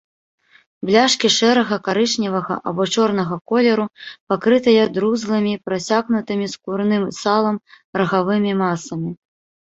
Бляшкі шэрага, карычневага або чорнага колеру, пакрытыя друзлымі, прасякнутымі скурным салам, рагавымі масамі.